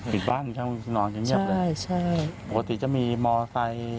ปิดบ้านนอนจะเงียบเลยใช่ปกติจะมีมอเตย